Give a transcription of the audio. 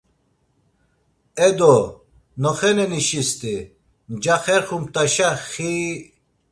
Edo, noxene nişisti, nca xerxumt̆aşa xiii...